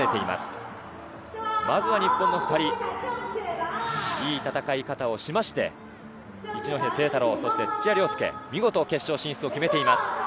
まずは日本の２人、いい戦い方をしまして、一戸誠太郎そして土屋良輔、見事決勝進出を決めています。